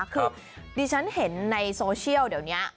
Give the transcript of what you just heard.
คือดิฉันเห็นในโซเชียลเดี๋ยวนี้